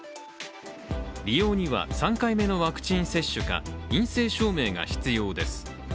利用には３回目のワクチン接種か陰性証明が必要です。